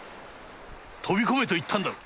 飛び込めと言ったんだろう。